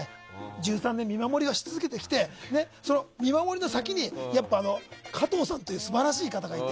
１３年、見守りをし続けてきて見守りの先に、加藤さんという素晴らしい方がいて。